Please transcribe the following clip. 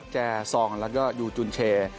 แจ่ซองแล้วก็ยูจูนเช